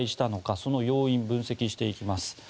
その要因を分析していきます。